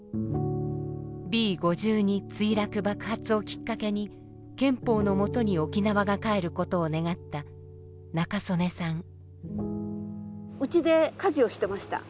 Ｂ５２墜落・爆発をきっかけに憲法のもとに沖縄が返ることを願ったうちで家事をしてました。